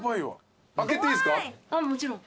もちろん。